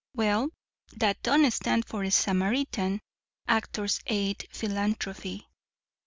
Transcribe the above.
Well, that don't stand for Samaritan Actor's Aid Philanthropy.